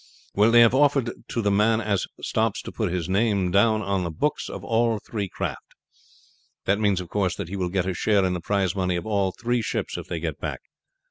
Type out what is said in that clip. "Well, they have offered to the man as stops to put his name down on the books of all the three craft. That means, of course, that he will get a share in the prize money of all three ships if they get back.